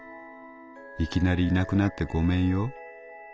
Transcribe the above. いきなりいなくなってごめんよ』